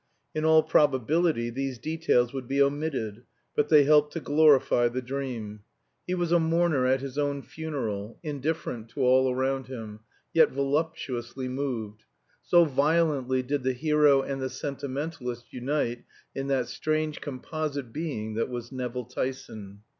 In all probability these details would be omitted, but they helped to glorify the dream. He was a mourner at his own funeral, indifferent to all around him, yet voluptuously moved. So violently did the hero and the sentimentalist unite in that strange composite being that was Nevill Tyson.